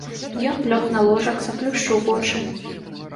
Ён лёг на ложак, заплюшчыў вочы.